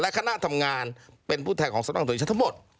คณะทำงานเป็นผู้แทนของสำนักโดยชัดทั้งหมด